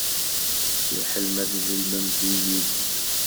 Fiḥel ma tzellmemt-iyi-d.